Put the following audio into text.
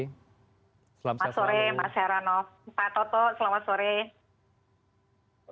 pak toto selamat sore